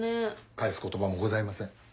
返す言葉もございません。